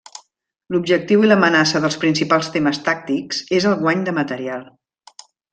L'objectiu i l'amenaça dels principals temes tàctics és el guany de material.